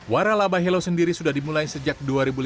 waralabah helo sendiri sudah dimulai sejak dua ribu lima belas